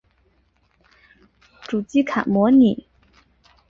主机卡模拟是仅仅使用软件对智能卡进行的虚拟而精确的呈现。